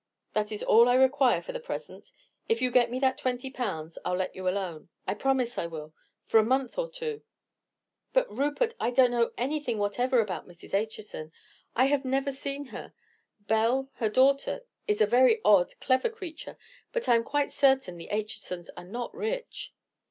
That is all I require for the present. If you get me that twenty pounds I'll let you alone—I promise I will—for a month or two." "But, Rupert, I don't know anything whatever about Mrs. Acheson. I have never even seen her. Belle, her daughter, is a very odd, clever creature; but I am quite certain the Achesons are not rich."